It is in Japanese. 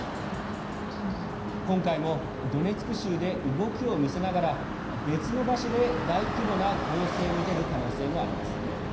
今回もドネツク州で動きを見せながら別の場所で大規模な攻勢に出る可能性もあります。